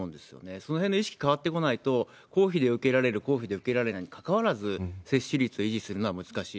そのへんの意識変わってこないと、公費で受けられる、公費で受けられないにかかわらず、接種率を維持するのは難しい。